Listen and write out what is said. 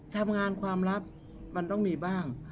ทำงานความลับมันต้องมีบ้าง